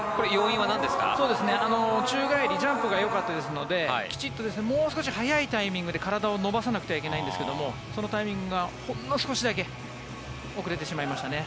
宙返り、ジャンプがよかったですのできちんともう少し早いタイミングで体を伸ばさなければいけないんですがそのタイミングがほんの少しだけ遅れてしまいましたね。